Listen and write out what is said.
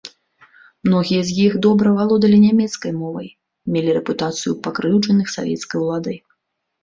Многія з іх добра валодалі нямецкай мовай, мелі рэпутацыю пакрыўджаных савецкай уладай.